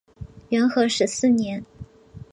元和十四年。